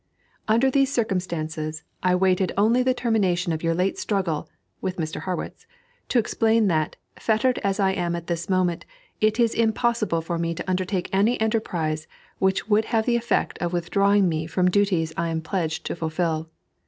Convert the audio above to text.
Under these circumstances, I waited only the termination of your late struggle (with Mr. Harrwitz) to explain that, fettered as I am at this moment, it is impossible for me to undertake any enterprise which would have the effect of withdrawing me from duties I am pledged to fulfil.